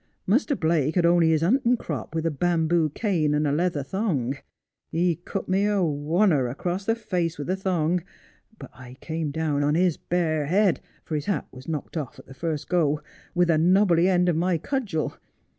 Muster Blake had only his huntin' crop with a bamboo cane and a leather thong. He cut me a wonner across the face with the thong, but I came down on his bare bead — for his hat was knocked oti'at the first go — with the knobby end of my cudgel.